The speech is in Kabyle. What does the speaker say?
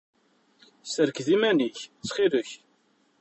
Sserked iman-ik, ttxil-k.